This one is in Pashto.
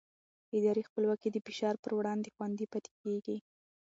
اداري خپلواکي د فشار پر وړاندې خوندي پاتې کېږي